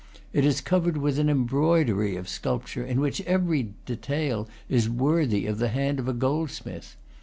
It is covered with an embroidery of sculpture, in which every detail is worthy of the hand of a goldsmith.